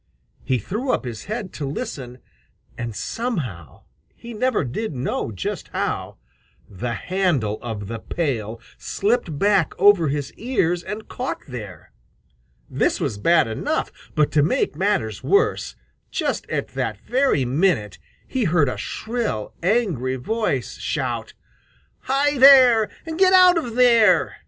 He threw up his head to listen, and somehow, he never did know just how, the handle of the pail slipped back over his ears and caught there. This was bad enough, but to make matters worse, just at that very minute he heard a shrill, angry voice shout, "Hi, there! Get out of there!"